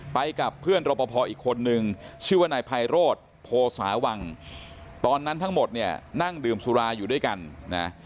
ไปกับเพื่อนรปภอีกคนนึงชื่อว่านายไพโรธโพสาวังตอนนั้นทั้งหมดเนี่ยนั่งดื่มสุราอยู่ด้วยกันนะ